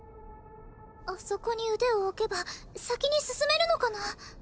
あそこに腕を置けば先に進めるのかな？